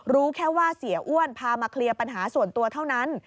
รู้แค่ว่าเสียอ้วนพามาเคลียร์ปัญหาส่วนตัวเท่านั้น